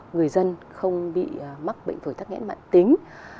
người dân không bị mắc bệnh phủy tắc nghẽ mạng tính